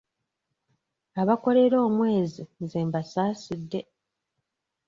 Abakolera omwezi nze mbasaasidde.